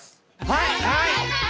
はい！